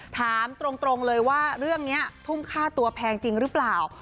ถามตรงเลยว่าเรื่องนี้ทุ่มค่าตัวแพงจริงหรือเปล่า